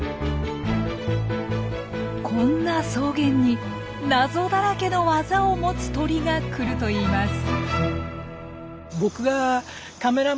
こんな草原に謎だらけの技を持つ鳥が来るといいます。